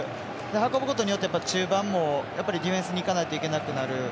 運ぶことによって中盤もディフェンスにいかないといけなくなる。